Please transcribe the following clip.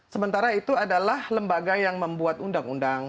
sementara itu adalah lembaga yang membuat undang undang